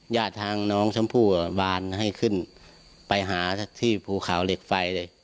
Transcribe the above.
ญาติทางน้องชมพู่บานให้ขึ้นไปหาที่ภูเขาเหล็กไฟเลย